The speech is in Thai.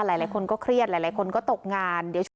หลายคนก็เครียดหลายคนก็ตกงาน